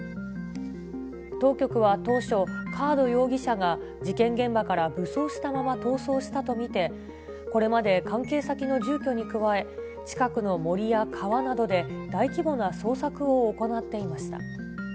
当局は当初、カード容疑者が事件現場から武装したまま逃走したと見て、これまで関係先の住居に加え、近くの森や川などで大規模な捜索を行っていました。